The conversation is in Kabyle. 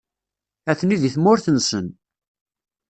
Atni deg tmurt-nsen.